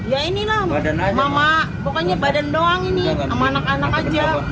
ya inilah mama pokoknya badan doang ini sama anak anak aja